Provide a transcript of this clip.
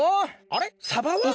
あれ？